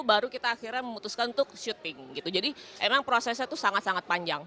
baru kita akhirnya memutuskan untuk syuting gitu jadi emang prosesnya itu sangat sangat panjang